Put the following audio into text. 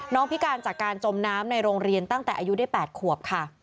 พิการจากการจมน้ำในโรงเรียนตั้งแต่อายุได้๘ขวบค่ะ